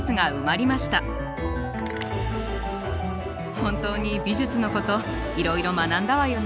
本当に美術のこといろいろ学んだわよね。